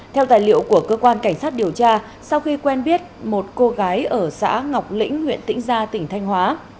theo tài liệu của cơ quan cảnh sát điều tra sau khi quen biết một cô gái ở xã ngọc lĩnh huyện tĩnh gia tỉnh thanh hóa